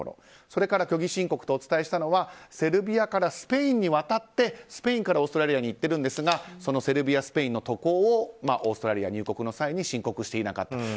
それから虚偽申告とお伝えしたのはセルビアからスペインに渡ってスペインからオーストラリアに行ってるんですがセルビア、スペインの渡航をオーストラリア渡航の際に申告していなかった。